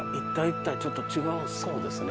そうですね。